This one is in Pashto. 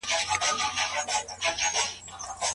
هغه مهال خلګو د مساوات په اړه بحث کاوه.